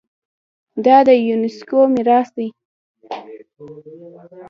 دا د یونیسکو میراث دی.